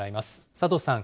佐藤さん。